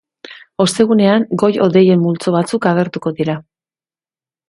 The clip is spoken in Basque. Ostegunean, goi-hodeien multzo batzuk agertuko dira.